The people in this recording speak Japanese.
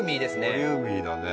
ボリューミーだね。